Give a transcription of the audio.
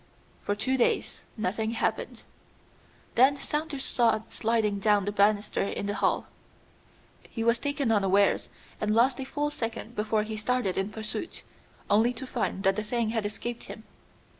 For two days nothing happened. Then Saunders saw it sliding down the banister in the hall. He was taken unawares, and lost a full second before he started in pursuit, only to find that the thing had escaped him.